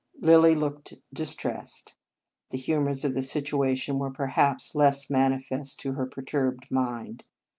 Lilly looked distressed. The hu mours of the situation were, perhaps, less manifest to her perturbed mind.